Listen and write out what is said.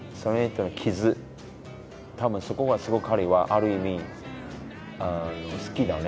多分そこがすごく彼はある意味好きだね。